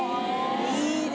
いいね！